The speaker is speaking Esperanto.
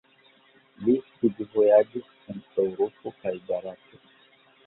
Li studvojaĝis en Eŭropo kaj Barato.